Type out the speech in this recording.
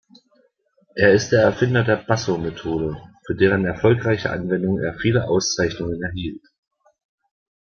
Er ist der Erfinder der „Bassow-Methode“, für deren erfolgreiche Anwendung er viele Auszeichnungen erhielt.